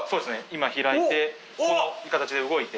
今開いてこの形で動いて。